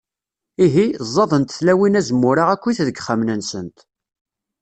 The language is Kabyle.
Ihi, ẓẓadent tlawin azemmur-a akkit deg yixxamen-nsent.